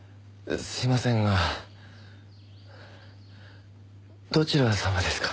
すいませんがどちら様ですか？